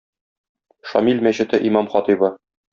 "Шамил" мәчете имам-хатыйбы.